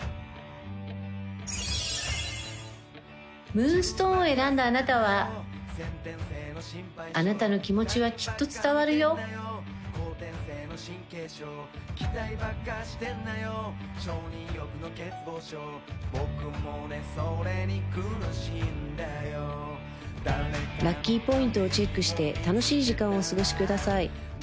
ムーンストーンを選んだあなたはあなたの気持ちはきっと伝わるよラッキーポイントをチェックして楽しい時間をお過ごしください